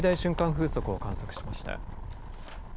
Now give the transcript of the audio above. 風速を観測しました。